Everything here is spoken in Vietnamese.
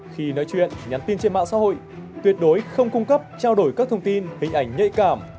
khi nói chuyện nhắn tin trên mạng xã hội tuyệt đối không cung cấp trao đổi các thông tin hình ảnh nhạy cảm